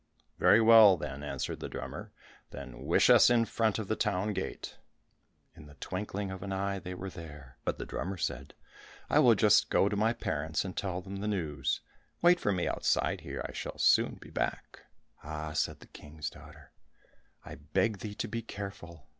"Very well, then," answered the drummer, "then wish us in front of the town gate." In the twinkling of an eye they were there, but the drummer said, "I will just go to my parents and tell them the news, wait for me outside here, I shall soon be back." "Ah," said the King's daughter, "I beg thee to be careful.